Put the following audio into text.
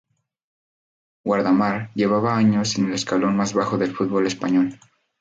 Guardamar llevaba años en el escalón más bajo del fútbol español.